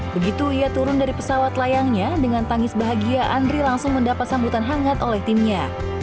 begitu ia turun dari pesawat layangnya dengan tangis bahagia andri langsung mendapat sambutan hangat oleh timnya